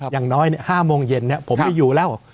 อย่างน้อย๕โมงเย็นผมไม่อยู่แล้ว